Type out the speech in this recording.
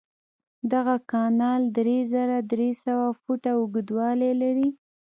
دغه کانال درې زره درې سوه فوټه اوږدوالی لري.